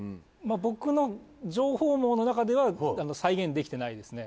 僕の情報網の中では再現できてないですね。